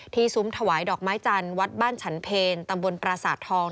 ซุ้มถวายดอกไม้จันทร์วัดบ้านฉันเพลตำบลปราสาททอง